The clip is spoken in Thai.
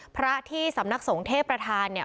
พระที่สำนักสงฆ์เทพประธานเนี่ย